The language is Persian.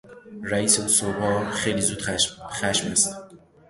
رئیس او صبحها خیلی زود خشم است.